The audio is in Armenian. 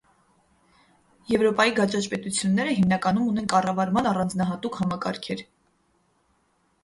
Եվրոպայի «գաճաճ» պետությունները հիմնականում ունեն կառավարման առանձնահատուկ համակարգեր։